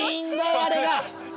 あれが。